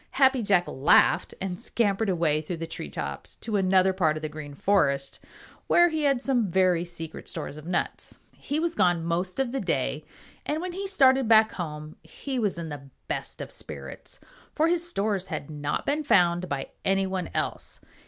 Happy Jack laughed and scampered away through the tree tops to another part of the Green Forest where he had some very secret stores of nuts. He was gone most of the day, and when he started back home he was in the best of spirits, for his stores had not been found by any one else.